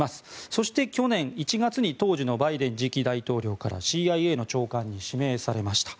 そして、去年１月に当時のバイデン次期大統領からＣＩＡの長官に指名されました。